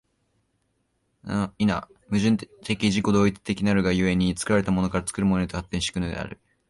否、矛盾的自己同一的なるが故に、作られたものから作るものへと発展し行くのである。